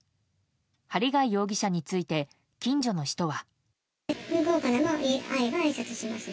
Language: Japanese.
針谷容疑者について近所の人は。